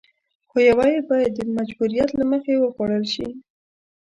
خو يوه يې بايد د مجبوريت له مخې وخوړل شي.